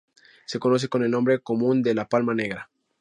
Se conoce con el nombre común de "la palma negra.